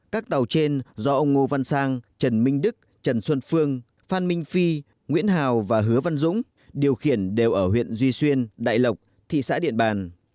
các tàu trên do ông ngô văn sang trần minh đức trần xuân phương phan minh phi nguyễn hào và hứa văn dũng điều khiển đều ở huyện duy xuyên đại lộc thị xã điện bàn